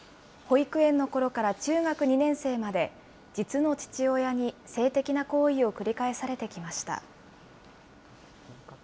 保育園のころから中学２年生まで、実の父親に性的な行為を繰り返されてきました。